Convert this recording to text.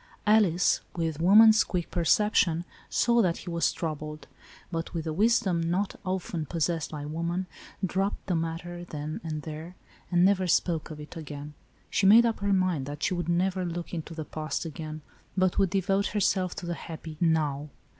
Alice, with woman's quick perception, saw that he was troubled, but, with a wisdom not often possessed by woman, dropped the mat ter then and there, and never spoke of it again. She made up her mind that she would never look into the past again, but would devote herself to the happy " now."